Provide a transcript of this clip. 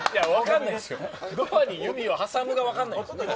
ドアに指を挟むが分かんない。